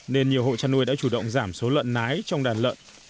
nên nhiều hộ chăn nuôi đã chủ động giảm số lợn nái trong đàn lợn